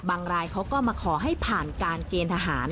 รายเขาก็มาขอให้ผ่านการเกณฑ์ทหาร